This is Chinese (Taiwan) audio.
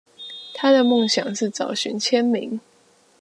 她的夢想是找尋簽名